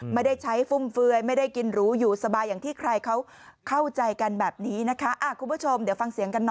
ไม่ได้ใช้ฟุ่มเฟือยไม่ได้กินหรูอยู่สบายอย่างที่ใครเขาเข้าใจกันแบบนี้นะคะ